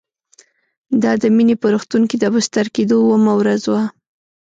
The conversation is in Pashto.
دا د مينې په روغتون کې د بستر کېدو اوومه ورځ وه